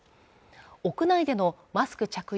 屋内でのマスク着用